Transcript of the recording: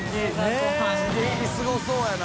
彪すごそうやな。